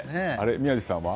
宮司さんは？